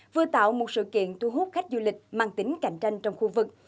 vừa tạo một sự kiện thu hút khách du lịch mang tính cạnh tranh trong khu vực